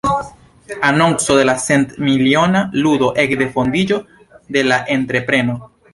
Anonco de la cent-miliona ludo ekde fondiĝo de la entrepreno.